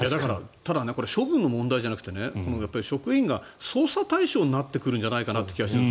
ただ処分の問題じゃなくて職員が捜査対象になってくるんじゃないかという気がするんです。